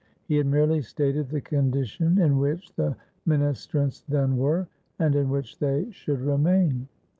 He had merely stated the condition in which the minis trants then were, and in which they should remain.